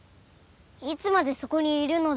いつまでそこにいるのである。